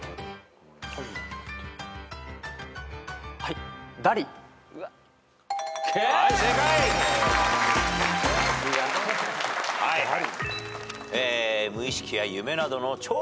はいはい。